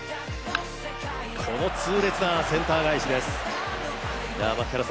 この痛烈なセンター返しです。